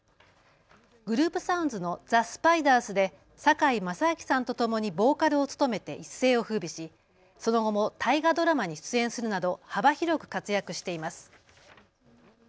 グループサウンズのザ・スパイダースで堺正章さんとともにボーカルを務めて一世をふうびしその後も大河ドラマに出演するなど幅広く活躍しています。